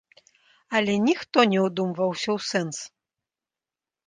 Але ніхто не ўдумваўся ў сэнс.